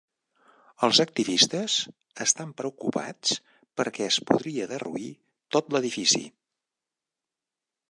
Els activistes estan preocupats perquè es podria derruir tot l'edifici.